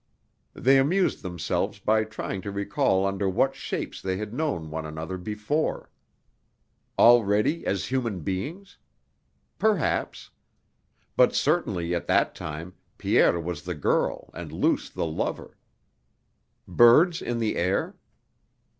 They amused themselves by trying to recall under what shapes they had known one another before. Already as human beings? Perhaps. But certainly at that time Pierre was the girl and Luce the lover.... Birds in the air?